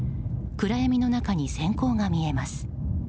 暗闇の中に閃光が見えます。